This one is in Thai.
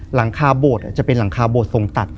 หลังคาโบดจะเป็นหลังคาโบดทรงตัด